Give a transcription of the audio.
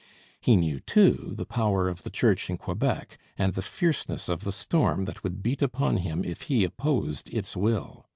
He knew, too, the power of the Church in Quebec, and the fierceness of the storm that would beat upon him if he opposed its will.